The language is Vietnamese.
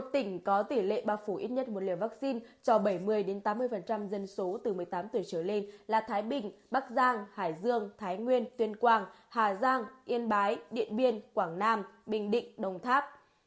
một mươi tỉnh có tỷ lệ bao phủ ít nhất một liều vaccine cho bảy mươi tám mươi dân số từ một mươi tám tuổi trở lên là thái bình bắc giang hải dương thái nguyên tuyên quang hà giang yên bái điện biên quảng nam bình định đồng tháp